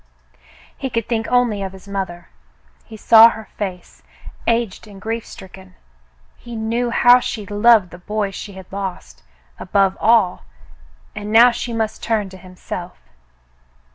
He could think only of his mother. He saw her face, aged and grief stricken. He knew how she loved the boy she had lost, above all, and now she must turn to himself.